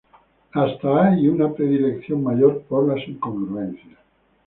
Hay hasta una predilección mayor por las incongruencias.